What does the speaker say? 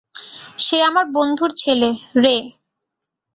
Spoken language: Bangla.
সে আমার বন্ধুর ছেলে, রে।